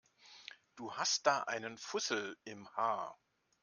Du hast da einen Fussel im Haar.